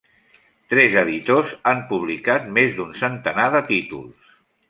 Tres editors han publicat més d'un centenar de títols.